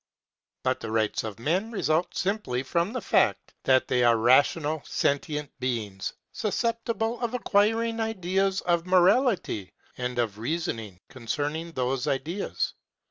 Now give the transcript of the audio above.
But the rights of men result simply from the fact that they are rational, sentient beings, susceptible of acquiring ideas of morality, and of reasoning concerning those ideas.